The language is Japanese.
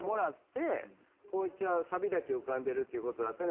光一はサビだけ浮かんでるっていうことだった。